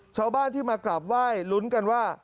ชาวบ้านที่มากราบไหว้ลุ้นกันว่า